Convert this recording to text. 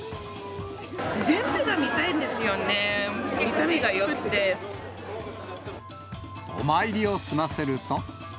全部が見たいんですよね、お参りを済ませると。